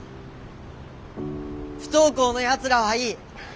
不登校のやつらはいい。